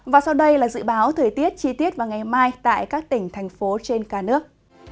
và sau đây là dự báo thời tiết chi tiết vào ngày mai tại các tỉnh thành phố trên cả nước